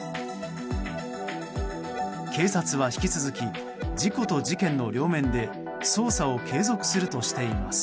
警察は引き続き事故と事件の両面で捜査を継続するとしています。